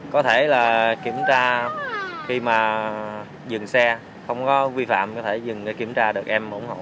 có thể là kiểm tra khi mà dừng xe không có vi phạm có thể dừng kiểm tra được em ủng hộ